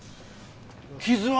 傷は？